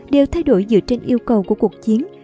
đều thay đổi dựa trên yêu cầu của cuộc chiến